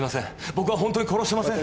僕はほんとに殺してません！